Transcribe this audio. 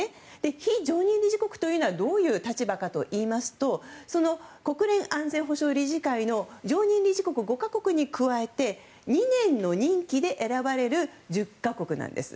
非常任理事国というのはどういう立場かといいますと国連安全保障理事会の常任理事国５か国に加えて２年の任期で選ばれる１０か国なんです。